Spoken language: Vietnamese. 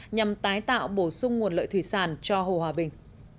nhằm tái tạo bổ sung nguồn lợi thủy sản cho hồ hòa bình